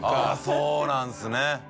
ああそうなんですね。